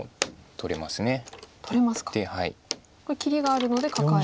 これ切りがあるのでカカえると。